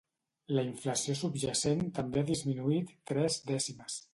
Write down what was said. La inflació subjacent també ha disminuït tres dècimes.